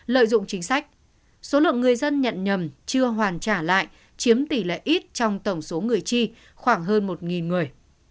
lợi dụng chính sách số lượng người dân nhận nhầm chưa hoàn trả lại chiếm tỷ lệ ít trong tổng số người chi khoảng hơn một người